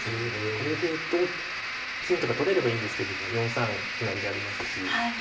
これで同金とか取れればいいんですけども４三歩成がありますし。